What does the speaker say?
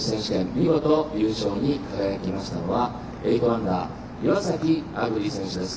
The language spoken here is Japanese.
見事、優勝に輝きましたのは８アンダー、岩崎亜久竜選手です。